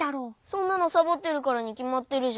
そんなのサボってるからにきまってるじゃん。